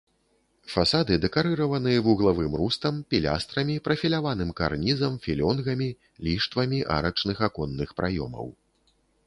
Фасады дэкарыраваны вуглавым рустам, пілястрамі, прафіляваным карнізам, філёнгамі, ліштвамі арачных аконных праёмаў.